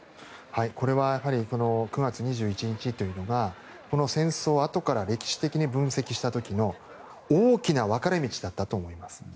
これは９月２１日というのがこの戦争をあとから歴史的に分析した時の大きな分かれ道だったと思います。